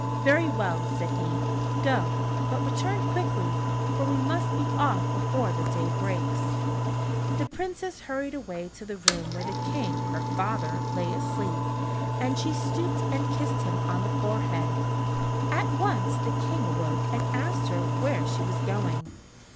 "Very well," said he. "Go, but return quickly, for we must be off before the day breaks." The Princess hurried away to the room where the King, her father, lay asleep, and she stooped and kissed him on the forehead. At once the King awoke and asked her where she was going.